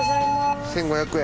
１，５００円？